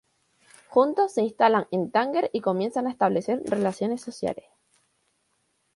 Juntos se instalan en Tánger y comienzan a establecer relaciones sociales.